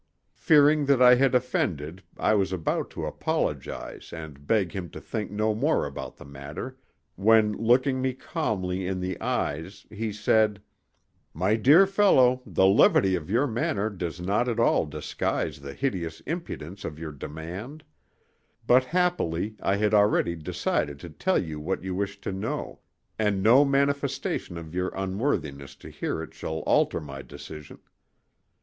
Fearing that I had offended I was about to apologize and beg him to think no more about the matter, when looking me calmly in the eyes he said: "My dear fellow, the levity of your manner does not at all disguise the hideous impudence of your demand; but happily I had already decided to tell you what you wish to know, and no manifestation of your unworthiness to hear it shall alter my decision.